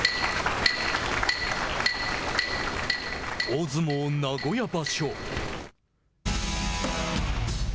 大相撲名古屋場所。